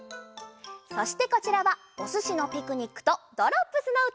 そしてこちらは「おすしのピクニック」と「ドロップスのうた」。